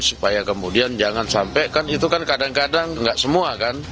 supaya kemudian jangan sampai kan itu kan kadang kadang nggak semua kan